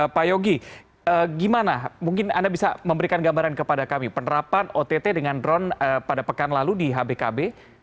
pak yogi gimana mungkin anda bisa memberikan gambaran kepada kami penerapan ott dengan drone pada pekan lalu di hbkb